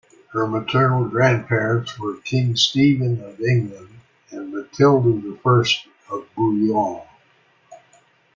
Her maternal grandparents were King Stephen of England and Matilda I of Boulogne.